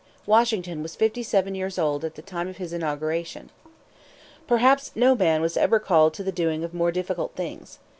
Washington was fifty seven years old at the time of his inauguration. Perhaps no man was ever called to the doing of more difficult things.